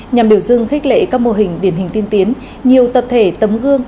nhằm điều dưng khích lệ các mô hình điển hình tiên tiến nhiều tập thể tấm gương